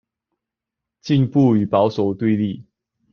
進步與保守的對立